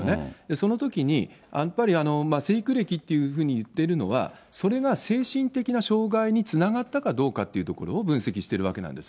そのときに、やっぱり成育歴というふうにいってるのは、それが精神的な障害につながったかどうかっていうところを分析しているわけなんです。